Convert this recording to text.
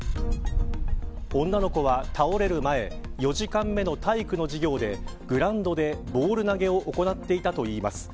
女の子は倒れる前４時間目の体育の授業でグラウンドでボール投げを行っていたといいます。